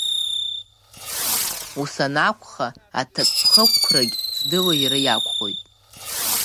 Усанакәха, аҭакԥхықәрагь здыло иара иакәхоит.